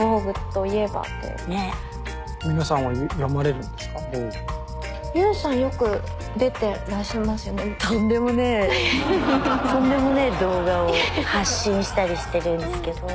とんでもねえ動画を発信したりしてるんですけど。